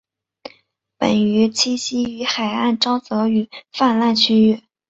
本鱼栖息于海岸沼泽与泛滥区域。